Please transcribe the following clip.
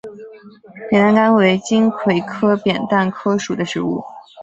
扁担杆为锦葵科扁担杆属的植物。